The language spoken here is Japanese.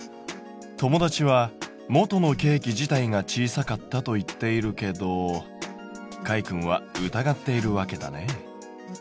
友達は「元のケーキ自体が小さかった」と言っているけどかいくんは疑っているわけだね。